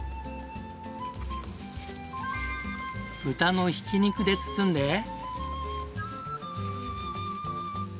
豚のひき肉で包んで。